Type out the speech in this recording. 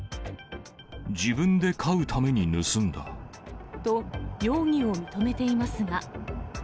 自分で飼うために盗んだ。と、容疑を認めていますが。